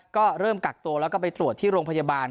ก็เริ่มกักตัวแล้วก็ไปตรวจที่โรงพยาบาล